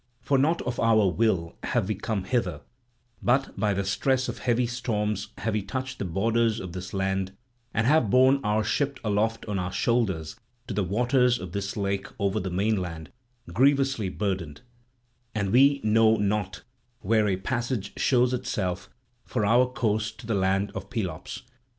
For not of our will have we come hither, but by the stress of heavy storms have we touched the borders of this land, and have borne our ship aloft on our shoulders to the waters of this lake over the mainland, grievously burdened; and we know not where a passage shows itself for our course to the land of Pelops."